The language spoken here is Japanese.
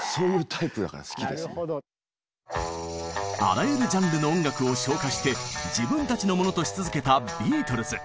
あらゆるジャンルの音楽を消化して自分たちのものとし続けたビートルズ。